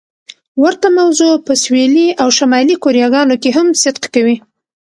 ورته موضوع په سویلي او شمالي کوریاګانو کې هم صدق کوي.